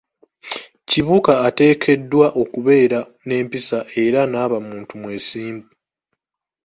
Kibuuka ateekeddwa okubeera n'empisa era n'aba muntu mwesimbu.